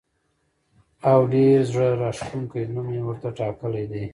او ډېر زړه راښکونکی نوم یې ورته ټاکلی دی.